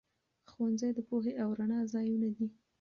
ښوونځي د پوهې او رڼا ځايونه دي.